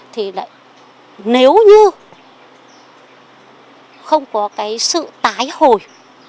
thì nếu như không có cái sự tái hồi